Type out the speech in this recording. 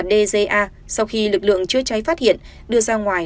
cháu dga sau khi lực lượng chưa cháy phát hiện đưa ra ngoài